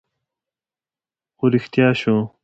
خو رښتيا شو